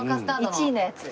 １位のやつ。